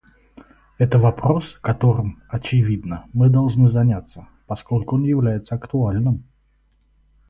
Это вопрос, которым, очевидно, мы должны заняться, поскольку он является актуальным.